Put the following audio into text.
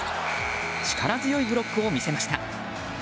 力強いブロックを見せました。